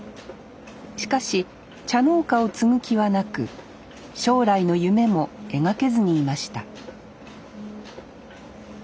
しかし茶農家を継ぐ気はなく将来の夢も描けずにいました